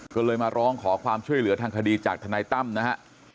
ก็เลยมาร้องขอความช่วยเหลือทางคดีจากทนายตั้มนะฮะ